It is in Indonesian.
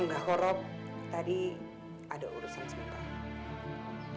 enggak kok rob tadi ada urusan sementara